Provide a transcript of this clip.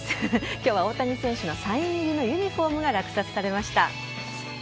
今日は大谷選手のサイン入りのユニホームが落札されました。